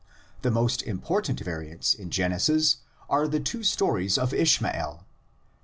The most important variants in Genesis are the two stories of Ishmael (xvi.